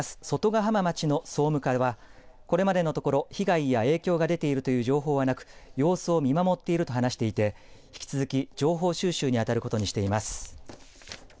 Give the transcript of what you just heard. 外ヶ浜町の総務課はこれまでのところ被害や影響が出ているという情報はなく様子を見守っていると話していて引き続き情報収集にあたることにしています。